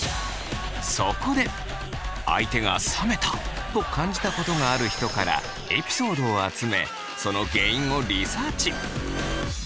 そこで相手が冷めた！と感じたことがある人からエピソードを集めその原因をリサーチ。